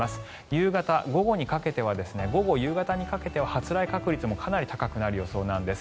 夕方、午後にかけては発雷確率もかなり高くなるよそうなんです。